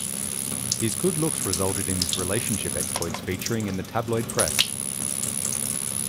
His good looks resulted in his relationship exploits featuring in the tabloid press.